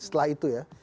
setelah itu ya